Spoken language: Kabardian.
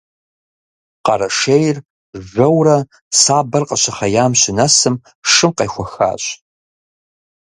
Къэрэшейр жэурэ сабэр къыщыхъеям щынэсым, шым къехуэхащ.